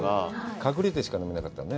隠れてしか飲めなかったもんね？